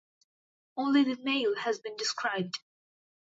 Only the male has been described.